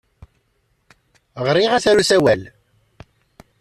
Ɣriɣ-as ɣer usawal.